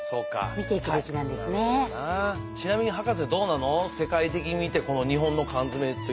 ちなみに博士どうなの？